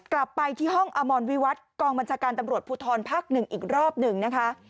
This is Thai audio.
กลับไปที่ห้องอมรวิวัตรกองบัญชาการตำรวจภูทรภาค๑อีกรอบหนึ่งนะคะ